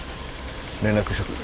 連絡しとく。